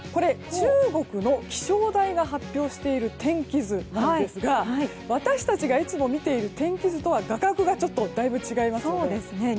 中国の気象台が発表している天気図なんですが私たちがいつも見ている天気図とは画角がだいぶ違いますよね。